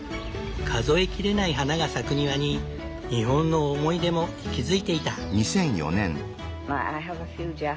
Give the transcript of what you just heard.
数え切れない花が咲く庭に日本の思い出も息づいていた。